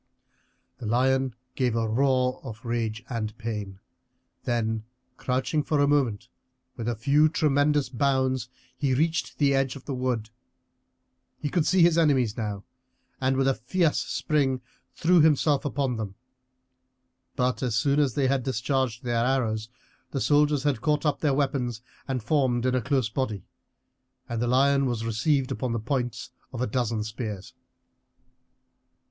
The lion gave a roar of rage and pain, then, crouching for a moment, with a few tremendous bounds he reached the edge of the wood. He could see his enemies now, and with a fierce spring threw himself upon them. But as soon as they had discharged their arrows the soldiers had caught up their weapons and formed in a close body, and the lion was received upon the points of a dozen spears.